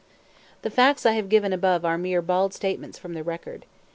The facts I have given above are mere bald statements from the record.